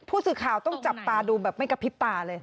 พูดสิทธิ์ข่าวต้องจับปาดูแบบไม่กระพลี่ปราเลย